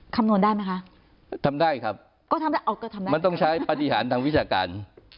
คำนวณได้ไหมคะทำได้ครับก็ทำได้เอาก็ทำได้มันต้องใช้ปฏิหารทางวิชาการ